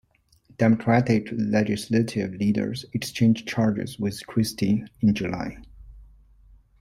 Democratic legislative leaders exchanged charges with Christie in July.